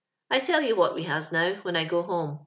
"* I tell you what we haa, now, when I go home.